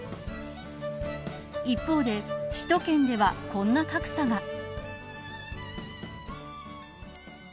一方で首都圏ではこんな格差が。